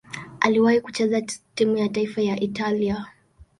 Aliwahi kucheza timu ya taifa ya Italia.